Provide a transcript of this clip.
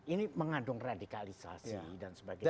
ini mengandung radikalisasi dan sebagainya